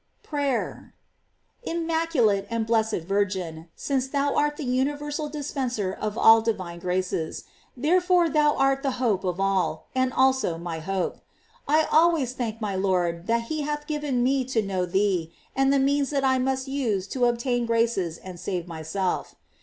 PEATEK. Immaculate and blessed Virgin, since thou art the universal dispenser of all divine graces, therefore ^hou art the hope of all, and also my hope. I always thank my Lord that he hath given me to know thec, and the means that I must use to obtain graces and save myself.